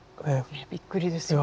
びっくりですよね。